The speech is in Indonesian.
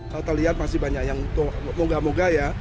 kalau terlihat masih banyak yang moga moga ya